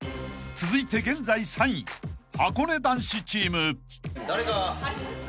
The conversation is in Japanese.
［続いて現在３位はこね男子チーム］